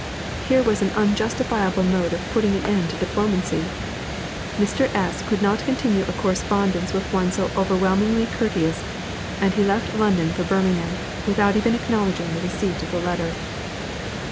Here was an unjustifiable mode of putting an end to diplomacy! Mr. S. could not continue a correspondence with one so overwhelmingly courteous, and he left London for Birmingham without even acknowledging the receipt of the letter.